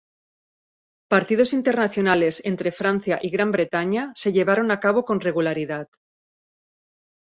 Partidos Internacionales entre Francia y Gran Bretaña se llevaron a cabo con regularidad.